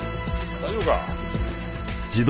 大丈夫か？